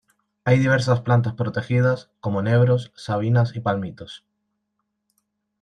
Hay diversas plantas protegidas, como enebros, sabinas y palmitos.